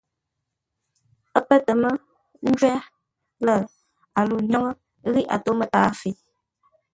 Ə́ pə́ tə mə́ ńjwə́r lə́, a lû ńdwóŋə́ ghíʼ a tó mətǎa fə̌i.